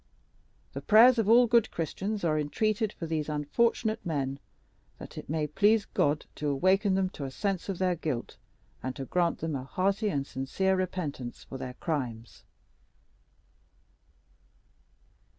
"'The prayers of all good Christians are entreated for these unfortunate men, that it may please God to awaken them to a sense of their guilt, and to grant them a hearty and sincere repentance for their crimes.